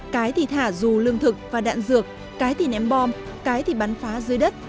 cái thì thả dù lương thực và đạn dược cái thì ném bom cái thì bắn phá dưới đất